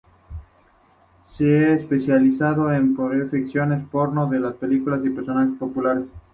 Se ha especializado en parodiar ficciones porno de películas y personajes populares.